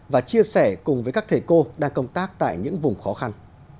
và chia sẻ cùng với các thầy cô đang công tác tại những vùng khó khăn